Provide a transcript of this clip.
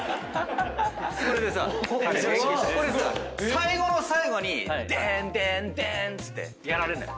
最後の最後にデンデンデーンっつってやられるのよ。